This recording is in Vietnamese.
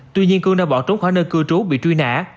tuy nhiên cương đã bỏ trốn khỏi nơi cư trú bị truy nã